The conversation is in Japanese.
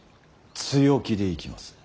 強気でいきます。